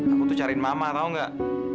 aku tuh cariin mama tau gak